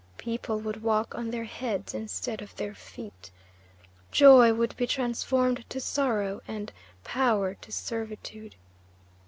People would walk on their heads instead of their feet, joy would be transformed to sorrow and power to servitude.